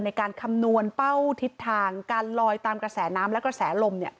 คำนวณเป้าทิศทางการลอยตามกระแสน้ำและกระแสลม